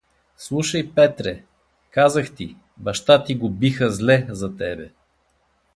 — Слушай, Петре, казах ти, баща ти го биха зле за тебе.